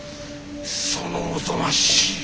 そのおぞましい